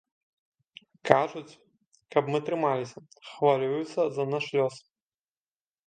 Кажуць, каб мы трымаліся, хвалююцца за наш лёс.